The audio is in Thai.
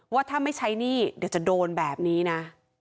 ว่าถ้าไม่ใช้หนี้เดี๋ยวจะโดนแบบนี้นะ